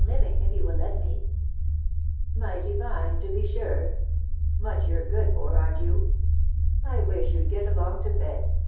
living, if you will let me/' " Mighty fine, to be sane !... /Much you're goodfosyer'slfc you ?.... I wish you'd get along to bed.